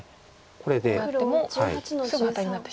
こうやってもすぐアタリになってしまう。